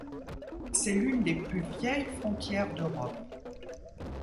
C'est l'une des plus vieilles frontières d'Europe.